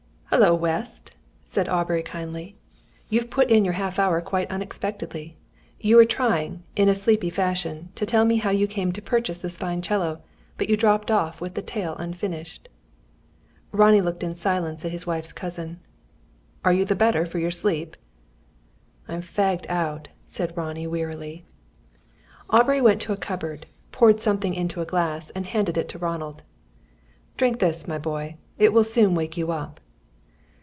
"Hullo, West!" said Aubrey, kindly. "You put in your half hour quite unexpectedly. You were trying, in a sleepy fashion, to tell me how you came to purchase this fine 'cello; but you dropped off, with the tale unfinished." Ronnie looked in silence at his wife's cousin. "Are you the better for your sleep?" "I am fagged out," said Ronnie, wearily. Aubrey went to a cupboard, poured something into a glass, and handed it to Ronald. "Drink this, my boy. It will soon wake you up."